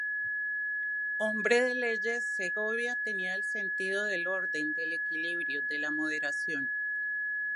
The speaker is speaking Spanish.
Hombre de leyes, Segovia tenía el sentido del orden, del equilibrio, de la moderación.